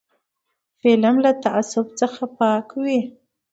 فلم باید له تعصب څخه پاک وي